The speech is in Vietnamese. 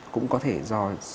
cũng có thể do sạm da